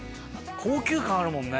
高級感あるもんね。